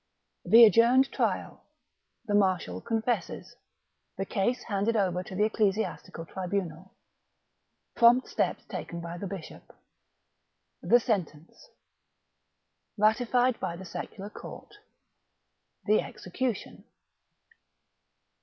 The adjourned Trial — The Marshal Confesses — The Case handed oyer to the Ecclesiastical Tribunal — Prompt steps taken by the Bishop — The Sentence — ^Ratified by the Secular Court — The Execution.